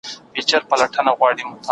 کارکوونکي د اضافي ساعتونو پر وخت ستړي کېږي.